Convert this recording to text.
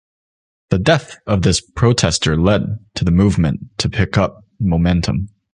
The death of this protester led to the Movement to pick up momentum.